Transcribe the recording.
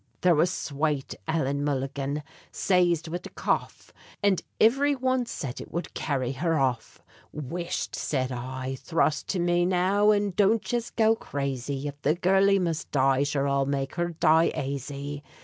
There was swate Ellen Mulligan, sazed wid a cough, And ivery one said it would carry her off. "Whisht," says I, "thrust to me, now, and don't yez go crazy; If the girlie must die, sure I'll make her die aisy!"